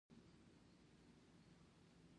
بلکې کوچني شاهي حکومت ګوټي وو.